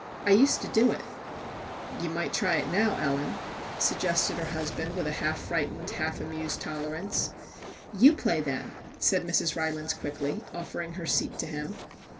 ' I used to do it.' MR. JACK HAMLIN'S MEDIATION 49 * Ye might try it now, Ellen/ suggested her husband, with a half frightened, half amused tolerance. 'You play, then,' said Mrs. Ry lands quickly, offering her seat to him.